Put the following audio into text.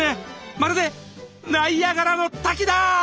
まるでナイアガラの滝だ！